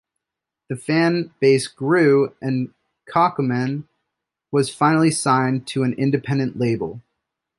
The fan base grew and Cacumen was finally signed to an independent label.